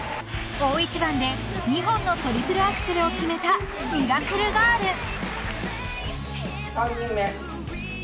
［大一番で２本のトリプルアクセルを決めたミラクルガール］